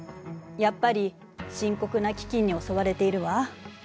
やっぱり深刻な飢饉に襲われているわ。